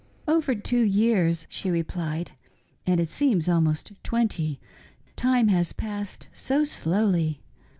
" Over two years," she replied," and it seems almost twenty — time has passed so slowly.